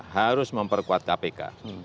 harus memperkuat kpk